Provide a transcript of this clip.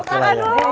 oke lah ya